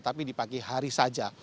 tapi di pagi hari saja